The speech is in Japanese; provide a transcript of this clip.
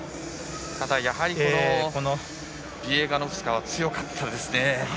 ただ、やはりビエガノフスカザヤツは強かったですね。